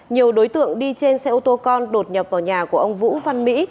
nhiều đối tượng đi trên xe ô tô con đột nhập vào nhà của ông vũ văn mỹ